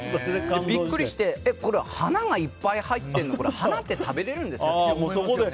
ビックリして花がいっぱい入ってるの花って食べれるんですかって。